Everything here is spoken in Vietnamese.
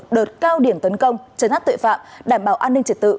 đợt cao điểm tấn công chấn áp tội phạm đảm bảo an ninh trật tự